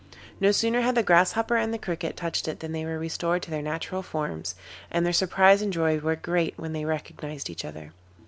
No sooner had the Grasshopper and the Cricket touched it than they were restored to their natural forms, and their surprise and joy were great when they recognised each other.